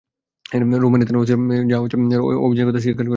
রৌমারী থানার ওসি সোহরাব হোসেন র্যা বের অভিযানের কথা স্বীকার করেছেন।